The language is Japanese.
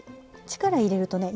力入れるとね